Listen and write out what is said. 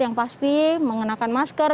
yang pasti mengenakan masker